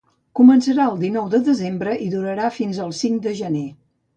Començarà el dinou de desembre i durarà fins el cinc de gener.